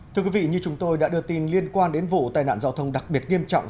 thưa quý vị như chúng tôi đã đưa tin liên quan đến vụ tai nạn giao thông đặc biệt nghiêm trọng